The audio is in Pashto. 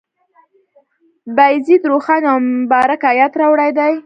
بایزید روښان یو مبارک آیت راوړی دی.